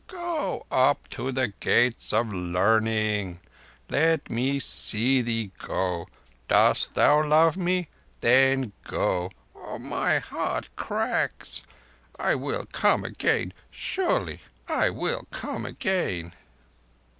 Go up to the Gates of Learning. Let me see thee go ... Dost thou love me? Then go, or my heart cracks ... I will come again. Surely I will come again.